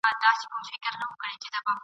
تر لمسیو کړوسیو مو بسیږي ..